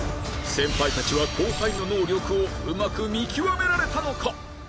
先輩たちは後輩の能力をうまく見極められたのか？